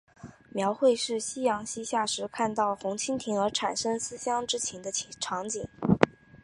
描绘的是夕阳西下时看到红蜻蜓而产生思乡之情的场景。